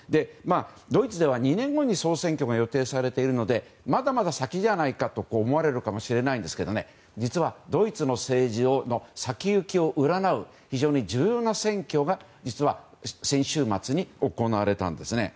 ドイツでは２年後に総選挙が予定されているのでまだまだ先じゃないかと思われるかもしれないですが実はドイツの政治の先行きを占う非常に重要な選挙が実は先週末に行われたんですね。